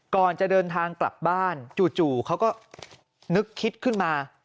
ก่อนจะเดินทางกลับบ้านจู่เขาก็นึกคิดขึ้นมา